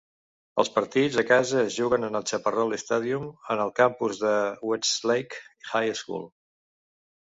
Els partits a casa es juguen en el Chaparral Stadium en el campus de Westlake High School.